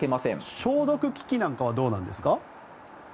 消毒機器なんかはどうなんですか？